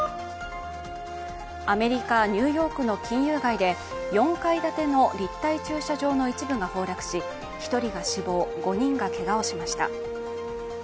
アメリカ・ニューヨークの金融街で４階建ての立体駐車場の一部が崩落し、１人が死亡５人がけがをしました。